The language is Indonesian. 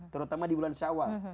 terutama di bulan syawal